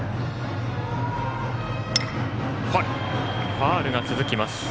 ファウルが続きます。